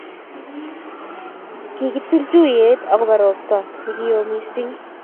Kigitil tuiyet agobo robta nikioo misiing